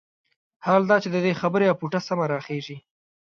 حال دا چې د دې خبرې اپوټه سمه راخېژي.